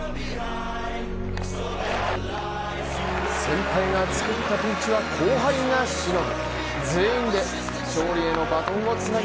先輩が作ったピンチは、後輩がしのぐ。